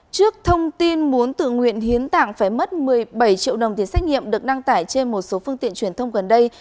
trước thông tin muốn tự nguyện hiến tạng phải mất một mươi bảy triệu đồng tiền xét nghiệm được đăng tải trên một số phương tiện truyền thông gần đây